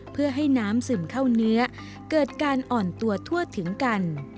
เพื่อให้น้ำซึมเข้าเนื้อเกิดการอ่อนตัวทั่วถึงกัน